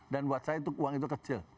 dan buat saya itu uang itu kecil